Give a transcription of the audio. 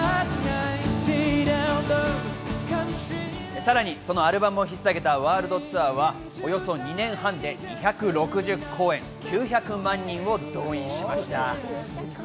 さらにそのアルバムを引っ提げたワールドツアーはおよそ２年半で２６０公演、９００万人を動員しました。